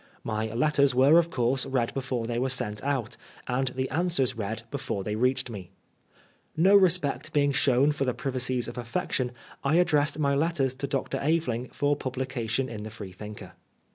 My letters were of course read before they were sent out, and the answers read before they reached me. No respect being shown for the privacies of affection, I addressed my letters to Dr. Aveling for publication in the Freethinker.